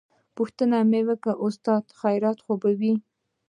پوښتنه مې وکړه استاده خيريت خو به وي.